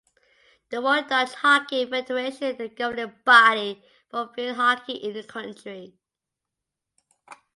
The Royal Dutch Hockey Federation the governing body for field hockey in the country.